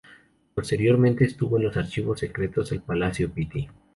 Posteriormente, estuvo en los archivos secretos del Palacio Pitti.